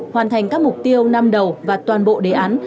hoàn thành các mục tiêu năm đầu và toàn bộ đề án